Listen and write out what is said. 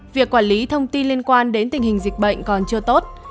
việc quản lý thông tin liên quan đến tình hình dịch bệnh còn chưa tốt